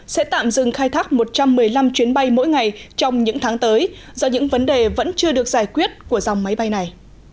sẽ tạm dừng khai thác một trăm một mươi năm chuyến bay mỗi ngày trong những tháng tới do những vấn đề vẫn chưa được giải quyết của dòng máy bay này